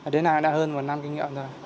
đến nay đã hơn một năm kinh nghiệm rồi